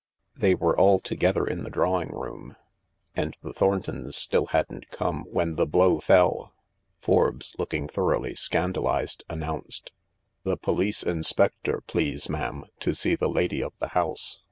They were all together in the drawing room— and the Thorntons still hadn't come— when the blow fell. Forbes, looking thoroughly scandalised, announced : "The police inspector, please, ma 'am— to see the lady of the house."